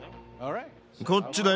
こっちだよ。